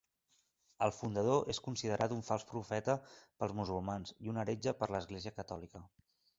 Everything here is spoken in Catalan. El fundador és considerat un fals profeta pels musulmans i un heretge per l'Església catòlica.